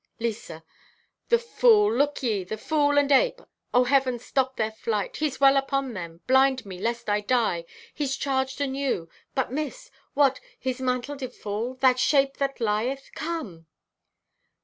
(Lisa) "The fool! Look ye, the fool and ape! Oh heaven stop their flight! He's well upon them! Blind me, lest I die! He's charged anew, but missed! What, did his mantle fall? That shape that lieth! Come!"